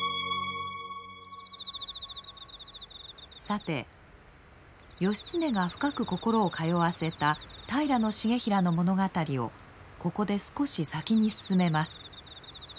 さて義経が深く心を通わせた平重衡の物語をここで少し先に進めます。